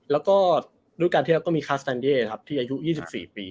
แล้วก็ด้วยการที่เราก็มีคาร์สแทนเดอย์ที่อายุ๒๔ปี